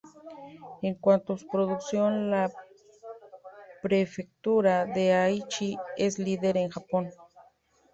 En cuanto a su producción, la prefectura de Aichi es líder en Japón.